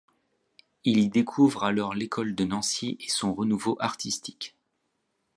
Il y découvre alors l'École de Nancy et son renouveau artistique.